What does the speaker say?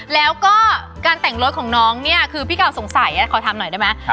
แล้วก็การแต่งรถของน้องเนี่ยคือพี่เก่าสงสัยขอทำหน่อยได้ไหม